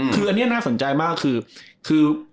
คืออันนี้น่าสนใจมากคือ